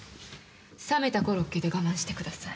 「冷めたコロッケで我慢してください」